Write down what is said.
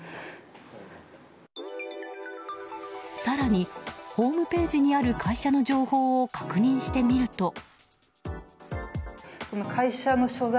更に、ホームページにある会社の情報を確認してみると。